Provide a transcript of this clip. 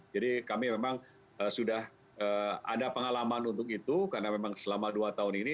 jadi kami memang sudah ada pengalaman untuk itu karena memang selama dua tahun ini